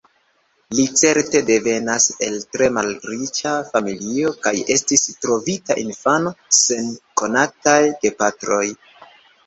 Li certe devenas el tre malriĉa familio, kaj estis trovita infano sen konataj gepatroj.